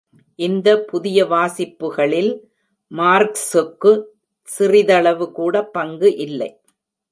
இந்த புதிய வாசிப்புகளில் மார்க்ஸூக்கு சிறிதளவு கூட பங்கு இல்லை.